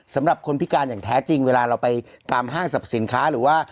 สำหรับคนพิการอย่างแท้จริงเวลาเราไปตามห้างสรรพสินค้าหรือว่า